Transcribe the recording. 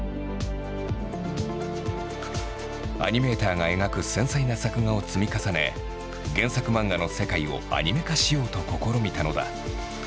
アニメーターが描く繊細な作画を積み重ね原作漫画の世界をアニメ化しようと試みたのだ。